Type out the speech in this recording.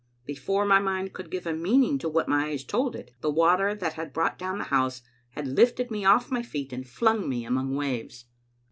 Before my mind could give a meaning to what my eyes told it, the water that had brought down the house had lifted me off my feet and flung me among waves.